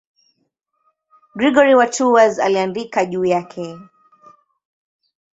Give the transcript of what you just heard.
Gregori wa Tours aliandika juu yake.